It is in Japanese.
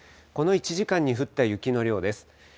この１時間に降った雪の量です。